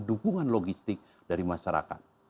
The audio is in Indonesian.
dukungan logistik dari masyarakat